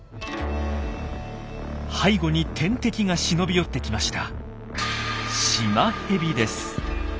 背後に天敵が忍び寄ってきました。